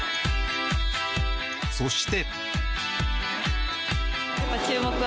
そして。